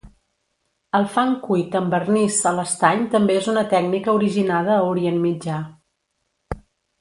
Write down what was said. El fang cuit amb vernís a l'estany també és una tècnica originada a Orient Mitjà.